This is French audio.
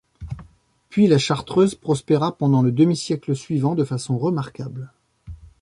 Puis la chartreuse prospéra pendant le demi-siècle suivant de façon remarquable.